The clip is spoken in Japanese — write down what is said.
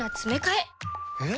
えっ？